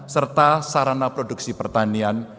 serta sarana produksi pertanian